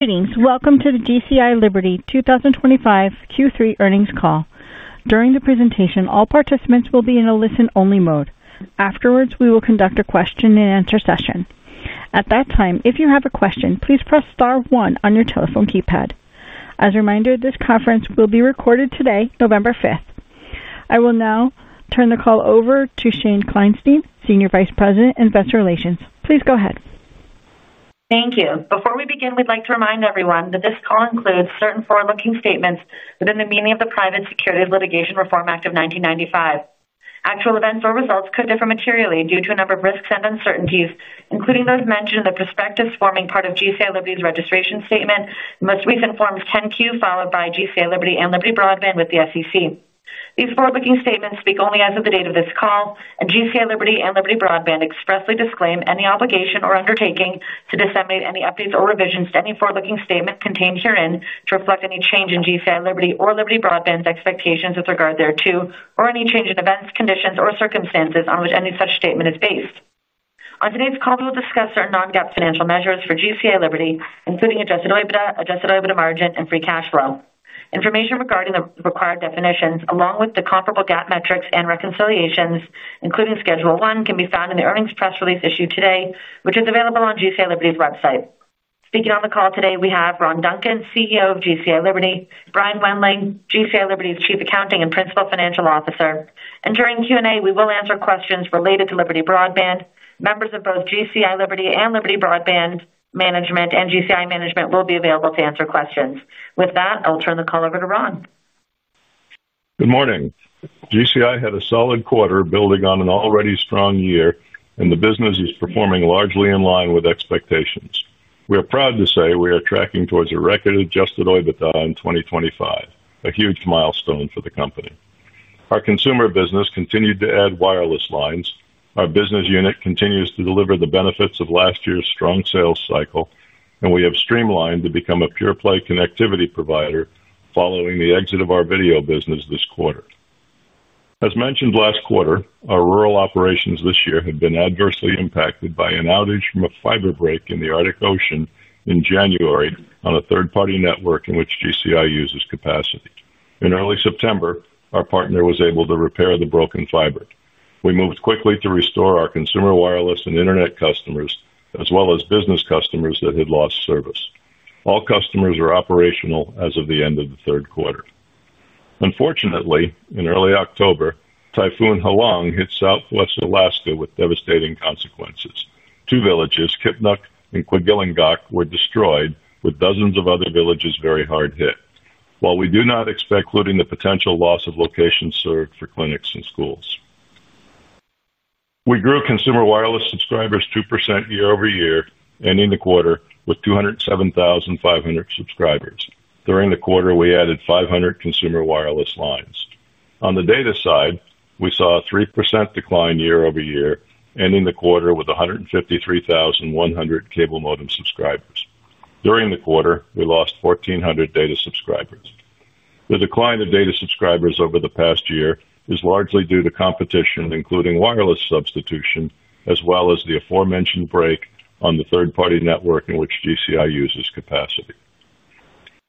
Greetings. Welcome to the GCI Liberty 2025 Q3 earnings call. During the presentation, all participants will be in a listen-only mode. Afterwards, we will conduct a question-and-answer session. At that time, if you have a question, please press star one on your telephone keypad. As a reminder, this conference will be recorded today, November 5th. I will now turn the call over to Shane Kleinstein, Senior Vice President, Investor Relations. Please go ahead. Thank you. Before we begin, we'd like to remind everyone that this call includes certain forward-looking statements within the meaning of the Private Securities Litigation Reform Act of 1995. Actual events or results could differ materially due to a number of risks and uncertainties, including those mentioned in the prospectus forming part of GCI Liberty's registration statement, the most recent forms 10-Q followed by GCI Liberty and Liberty Broadband with the SEC. These forward-looking statements speak only as of the date of this call, and GCI Liberty and Liberty Broadband expressly disclaim any obligation or undertaking to disseminate any updates or revisions to any forward-looking statement contained herein to reflect any change in GCI Liberty or Liberty Broadband's expectations with regard thereto, or any change in events, conditions, or circumstances on which any such statement is based. On today's call, we will discuss certain non-GAAP financial measures for GCI Liberty, including adjusted EBITDA, adjusted EBITDA margin, and free cash flow. Information regarding the required definitions, along with the comparable GAAP metrics and reconciliations, including schedule one, can be found in the earnings press release issued today, which is available on GCI Liberty's website. Speaking on the call today, we have Ron Duncan, CEO of GCI Liberty, Brian Wendling, GCI Liberty's Chief Accounting and Principal Financial Officer. During Q&A, we will answer questions related to Liberty Broadband. Members of both GCI Liberty and Liberty Broadband Management and GCI Management will be available to answer questions. With that, I'll turn the call over to Ron. Good morning. GCI had a solid quarter building on an already strong year, and the business is performing largely in line with expectations. We are proud to say we are tracking towards a record adjusted EBITDA in 2025, a huge milestone for the company. Our consumer business continued to add wireless lines. Our business unit continues to deliver the benefits of last year's strong sales cycle, and we have streamlined to become a pure-play connectivity provider following the exit of our video business this quarter. As mentioned last quarter, our rural operations this year have been adversely impacted by an outage from a fiber break in the Arctic Ocean in January on a third-party network in which GCI uses capacity. In early September, our partner was able to repair the broken fiber. We moved quickly to restore our consumer wireless and internet customers, as well as business customers that had lost service. All customers are operational as of the end of the third quarter. Unfortunately, in early October, Typhoon Halong hit southwest Alaska with devastating consequences. Two villages, Kipnuk and Quinhagak, were destroyed, with dozens of other villages very hard hit. While we do not expect. Including the potential loss of locations served for clinics and schools. We grew consumer wireless subscribers 2% year over year, ending the quarter with 207,500 subscribers. During the quarter, we added 500 consumer wireless lines. On the data side, we saw a 3% decline year over year, ending the quarter with 153,100 cable modem subscribers. During the quarter, we lost 1,400 data subscribers. The decline of data subscribers over the past year is largely due to competition, including wireless substitution, as well as the aforementioned break on the third-party network in which GCI uses capacity.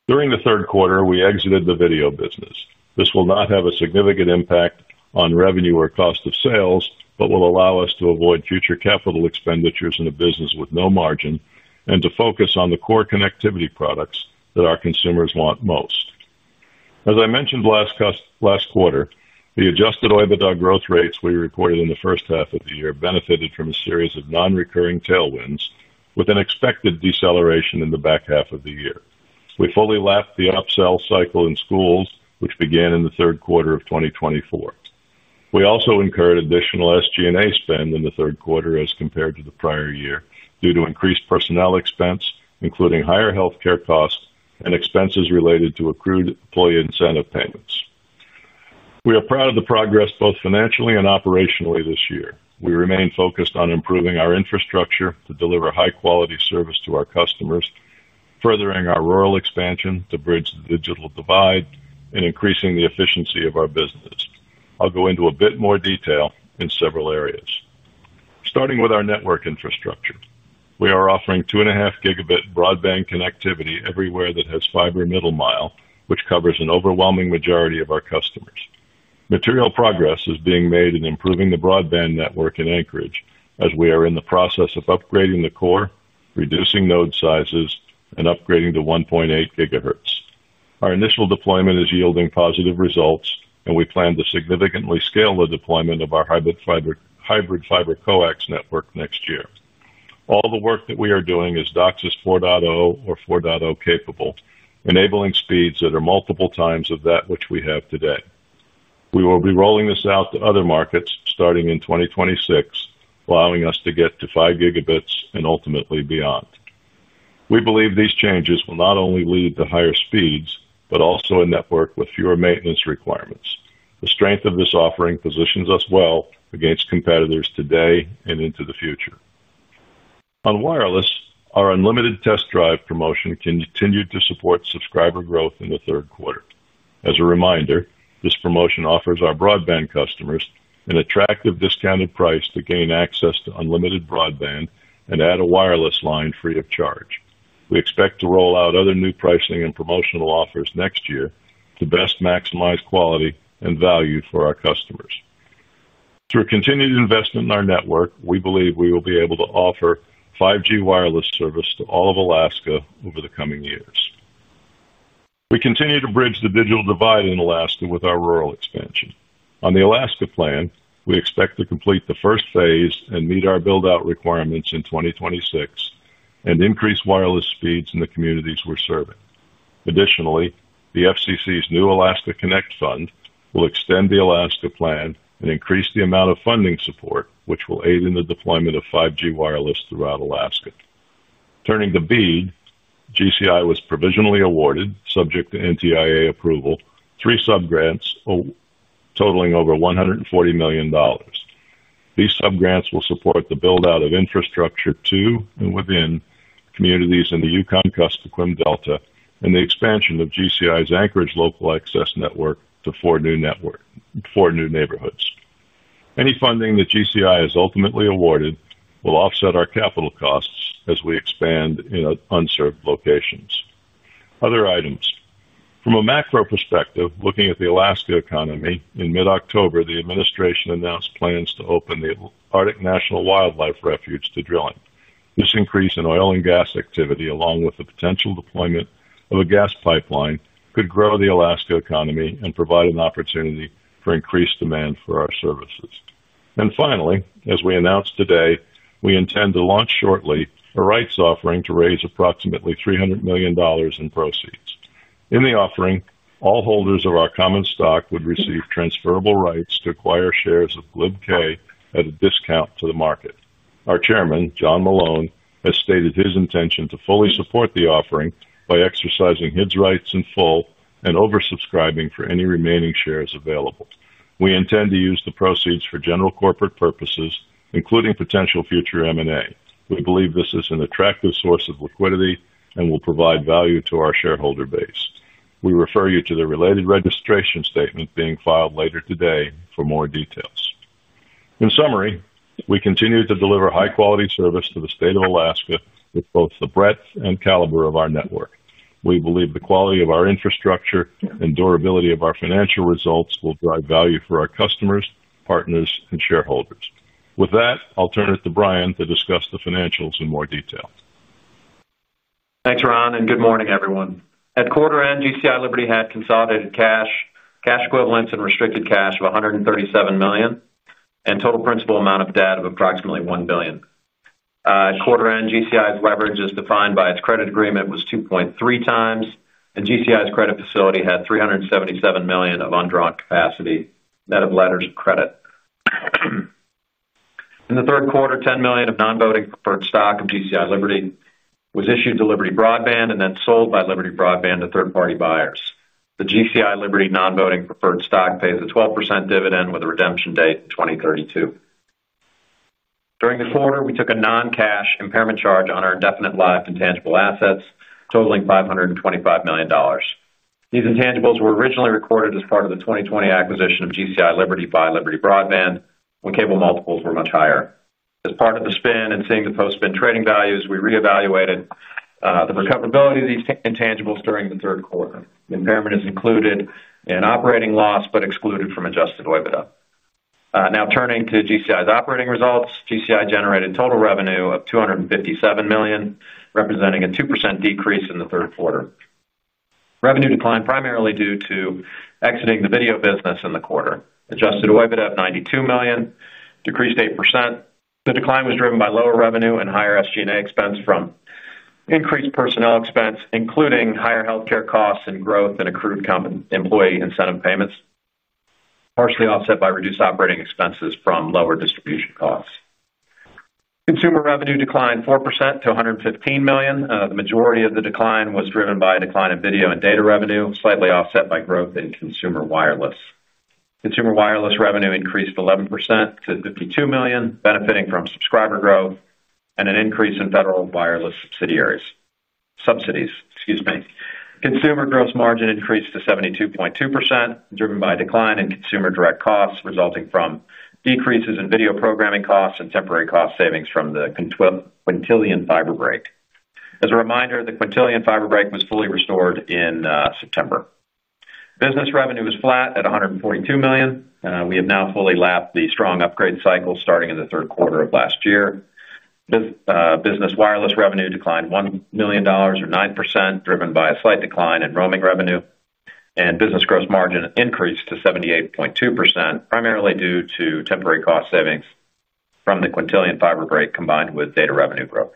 During the third quarter, we exited the video business. This will not have a significant impact on revenue or cost of sales, but will allow us to avoid future capital expenditures in a business with no margin and to focus on the core connectivity products that our consumers want most. As I mentioned last quarter, the adjusted EBITDA growth rates we reported in the first half of the year benefited from a series of non-recurring tailwinds, with an expected deceleration in the back half of the year. We fully lapped the upsell cycle in schools, which began in the third quarter of 2024. We also incurred additional SG&A spend in the third quarter as compared to the prior year due to increased personnel expense, including higher healthcare costs and expenses related to accrued employee incentive payments. We are proud of the progress both financially and operationally this year. We remain focused on improving our infrastructure to deliver high-quality service to our customers, furthering our rural expansion to bridge the digital divide, and increasing the efficiency of our business. I'll go into a bit more detail in several areas. Starting with our network infrastructure, we are offering 2.5 Gb broadband connectivity everywhere that has fiber middle mile, which covers an overwhelming majority of our customers. Material progress is being made in improving the broadband network in Anchorage, as we are in the process of upgrading the core, reducing node sizes, and upgrading to 1.8 GHz. Our initial deployment is yielding positive results, and we plan to significantly scale the deployment of our hybrid fiber coax network next year. All the work that we are doing is DOCSIS 4.0 or 4.0 capable, enabling speeds that are multiple times of that which we have today. We will be rolling this out to other markets starting in 2026, allowing us to get to 5 Gb and ultimately beyond. We believe these changes will not only lead to higher speeds, but also a network with fewer maintenance requirements. The strength of this offering positions us well against competitors today and into the future. On wireless, our unlimited test drive promotion continued to support subscriber growth in the third quarter. As a reminder, this promotion offers our broadband customers an attractive discounted price to gain access to unlimited broadband and add a wireless line free of charge. We expect to roll out other new pricing and promotional offers next year to best maximize quality and value for our customers. Through continued investment in our network, we believe we will be able to offer 5G wireless service to all of Alaska over the coming years. We continue to bridge the digital divide in Alaska with our rural expansion. On the Alaska plan, we expect to complete the first phase and meet our build-out requirements in 2026 and increase wireless speeds in the communities we're serving. Additionally, the FCC's new Alaska Connect Fund will extend the Alaska plan and increase the amount of funding support, which will aid in the deployment of 5G wireless throughout Alaska. Turning to BEAD, GCI was provisionally awarded, subject to NTIA approval, three subgrants. Totaling over $140 million. These subgrants will support the build-out of infrastructure to and within communities in the Yukon-Kuskokwim Delta and the expansion of GCI's Anchorage local access network to four new neighborhoods. Any funding that GCI has ultimately awarded will offset our capital costs as we expand in unserved locations. Other items. From a macro perspective, looking at the Alaska economy, in mid-October, the administration announced plans to open the Arctic National Wildlife Refuge to drilling. This increase in oil and gas activity, along with the potential deployment of a gas pipeline, could grow the Alaska economy and provide an opportunity for increased demand for our services. And finally, as we announced today, we intend to launch shortly a rights offering to raise approximately $300 million in proceeds. In the offering, all holders of our common stock would receive transferable rights to acquire shares of GLIBK at a discount to the market. Our Chairman, John Malone, has stated his intention to fully support the offering by exercising his rights in full and oversubscribing for any remaining shares available. We intend to use the proceeds for general corporate purposes, including potential future M&A. We believe this is an attractive source of liquidity and will provide value to our shareholder base. We refer you to the related registration statement being filed later today for more details. In summary, we continue to deliver high-quality service to the state of Alaska with both the breadth and caliber of our network. We believe the quality of our infrastructure and durability of our financial results will drive value for our customers, partners, and shareholders. With that, I'll turn it to Brian to discuss the financials in more detail. Thanks, Ron, and good morning, everyone. At quarter-end, GCI Liberty had consolidated cash, cash equivalents, and restricted cash of $137 million, and total principal amount of debt of approximately $1 billion. At quarter-end, GCI's leverage, as defined by its credit agreement, was 2.3x, and GCI's credit facility had $377 million of undrawn capacity, net of letters of credit. In the third quarter, $10 million of non-voting preferred stock of GCI Liberty was issued to Liberty Broadband and then sold by Liberty Broadband to third-party buyers. The GCI Liberty non-voting preferred stock pays a 12% dividend with a redemption date in 2032. During the quarter, we took a non-cash impairment charge on our indefinite-lived intangible assets, totaling $525 million. These intangibles were originally recorded as part of the 2020 acquisition of GCI Liberty by Liberty Broadband when cable multiples were much higher. As part of the spin and seeing the post-spin trading values, we reevaluated the recoverability of these intangibles during the third quarter. The impairment is included in operating loss but excluded from adjusted EBITDA. Now turning to GCI's operating results, GCI generated total revenue of $257 million, representing a 2% decrease in the third quarter. Revenue declined primarily due to exiting the video business in the quarter. adjusted EBITDA of $92 million decreased 8%. The decline was driven by lower revenue and higher SG&A expense from increased personnel expense, including higher healthcare costs and growth in accrued employee incentive payments. Partially offset by reduced operating expenses from lower distribution costs. Consumer revenue declined 4% to $115 million. The majority of the decline was driven by a decline in video and data revenue, slightly offset by growth in consumer wireless. Consumer wireless revenue increased 11% to $52 million, benefiting from subscriber growth and an increase in federal wireless subsidiaries. Subsidies, excuse me. Consumer gross margin increased to 72.2%, driven by a decline in consumer direct costs resulting from decreases in video programming costs and temporary cost savings from the Quintillion fiber break. As a reminder, the Quintillion fiber break was fully restored in September. Business revenue was flat at $142 million. We have now fully lapped the strong upgrade cycle starting in the third quarter of last year. Business wireless revenue declined $1 million, or 9%, driven by a slight decline in roaming revenue, and business gross margin increased to 78.2%, primarily due to temporary cost savings from the Quintillion fiber break combined with data revenue growth.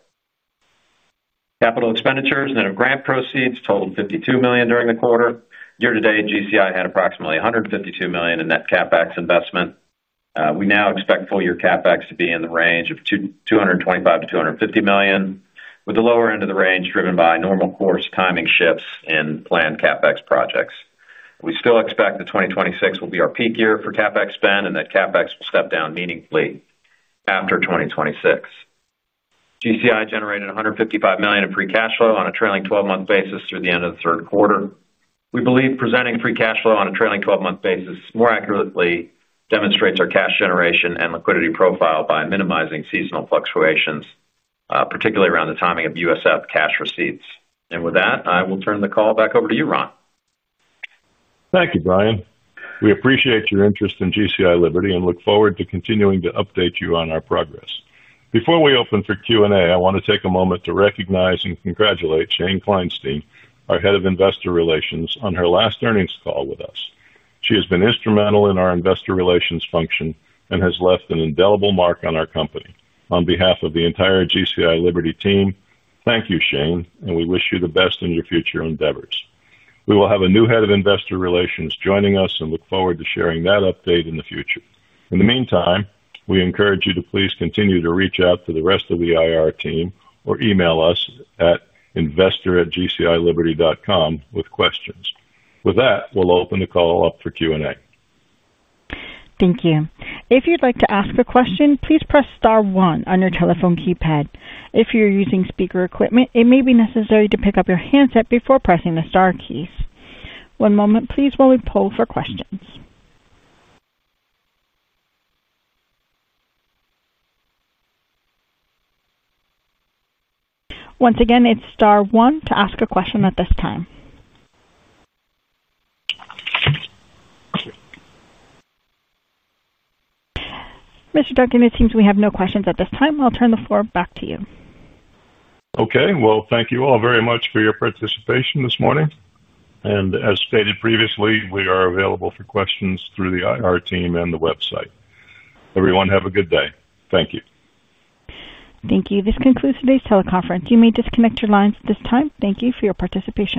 Capital expenditures and grant proceeds totaled $52 million during the quarter. Year to date, GCI had approximately $152 million in net CapEx investment. We now expect full-year CapEx to be in the range of $225-$250 million, with the lower end of the range driven by normal course timing shifts in planned CapEx projects. We still expect that 2026 will be our peak year for CapEx spend and that CapEx will step down meaningfully after 2026. GCI generated $155 million in free cash flow on a trailing 12-month basis through the end of the third quarter. We believe presenting free cash flow on a trailing 12-month basis more accurately demonstrates our cash generation and liquidity profile by minimizing seasonal fluctuations, particularly around the timing of USF cash receipts. And with that, I will turn the call back over to you, Ron. Thank you, Brian. We appreciate your interest in GCI Liberty and look forward to continuing to update you on our progress. Before we open for Q&A, I want to take a moment to recognize and congratulate Shane Kleinstein, our head of investor relations, on her last earnings call with us. She has been instrumental in our investor relations function and has left an indelible mark on our company. On behalf of the entire GCI Liberty team, thank you, Shane, and we wish you the best in your future endeavors. We will have a new head of investor relations joining us and look forward to sharing that update in the future. In the meantime, we encourage you to please continue to reach out to the rest of the IR team or email us at investor@gcieliberty.com with questions. With that, we'll open the call up for Q&A. Thank you. If you'd like to ask a question, please press star one on your telephone keypad. If you're using speaker equipment, it may be necessary to pick up your handset before pressing the star keys. One moment, please, while we poll for questions. Once again, it's star one to ask a question at this time. Mr. Duncan, it seems we have no questions at this time. I'll turn the floor back to you. Okay. Well, thank you all very much for your participation this morning. And as stated previously, we are available for questions through the IR team and the website. Everyone, have a good day. Thank you. Thank you. This concludes today's teleconference. You may disconnect your lines at this time. Thank you for your participation.